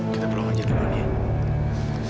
kita pulang aja duluan ya